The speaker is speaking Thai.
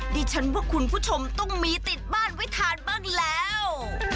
ดิฉันว่าคุณผู้ชมต้องมีติดบ้านไว้ทานบ้างแล้ว